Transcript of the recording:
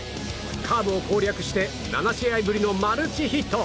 カーブを攻略して７試合ぶりのマルチヒット。